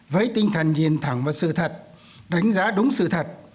với tinh thần nhìn thẳng vào sự thật đánh giá đúng sự thật